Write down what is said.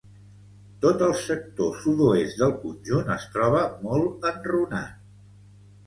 Tot el sector sud-oest del conjunt es troba molt enrunat.